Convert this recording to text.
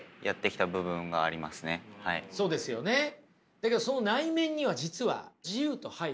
だけどその内面には実は自由と配慮。